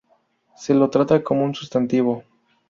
Se lo trata como un sustantivo.